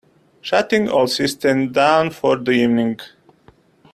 Shutting all systems down for the evening.